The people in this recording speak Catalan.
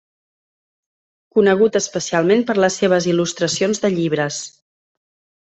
Conegut especialment per les seves il·lustracions de llibres.